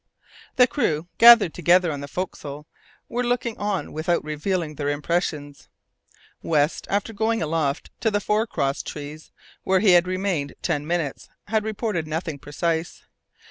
The crew, gathered together on the forecastle, were looking on without revealing their impressions. West, after going aloft to the fore cross trees, where he had remained ten minutes, had reported nothing precise.